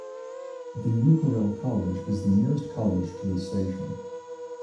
The Ruparel College is the nearest college to this station.